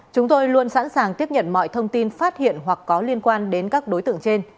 chúng tôi luôn sẵn sàng tiếp nhận mọi thông tin phát hiện hoặc có liên quan đến các đối tượng trên